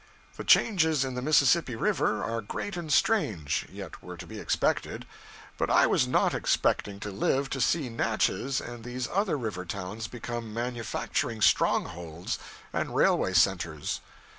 The changes in the Mississippi River are great and strange, yet were to be expected; but I was not expecting to live to see Natchez and these other river towns become manufacturing strongholds and railway centers.